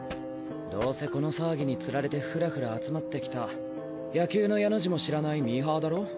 どうせこの騒ぎに釣られてフラフラ集まってきた野球の「ヤ」の字も知らないミーハーだろ？